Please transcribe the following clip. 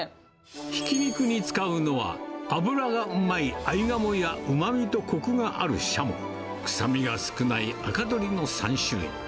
ひき肉に使うのは、脂がうまい合鴨やうまみとこくがあるしゃも、臭みが少ない赤鶏の３種類。